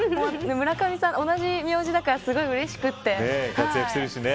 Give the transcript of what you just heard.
村上さん、同じ名字だからすごいうれしくて。